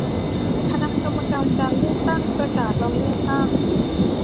คณะกรรมการการเลือกตั้งประกาศวันเลือกตั้ง